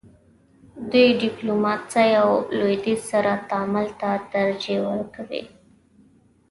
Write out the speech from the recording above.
دوی ډیپلوماسۍ او لویدیځ سره تعامل ته ترجیح ورکوي.